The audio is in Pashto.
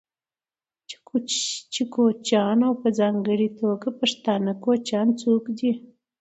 چې کوچيان او په ځانګړې توګه پښتانه کوچيان څوک دي،